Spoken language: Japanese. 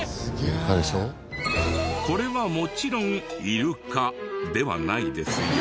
これはもちろんイルカではないですよ。